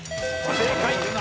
正解。